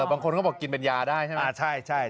บางคนก็บอกกินเป็นยาได้ใช่ไหม